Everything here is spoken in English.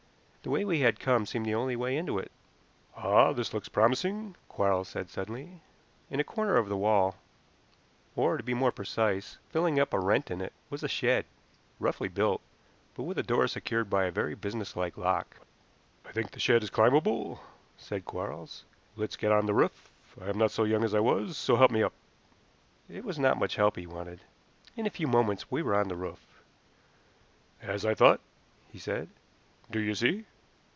The way we had come seemed the only way into it. "Ah! this looks promising," Quarles said suddenly. In a corner of the wall, or, to be more precise, filling up a rent in it, was a shed, roughly built, but with a door secured by a very business like lock. "I think the shed is climbable," said Quarles. "Let's get on the roof. I am not so young as I was, so help me up." It was not much help he wanted. In a few moments we were on the roof. "As I thought," he said. "Do you see?"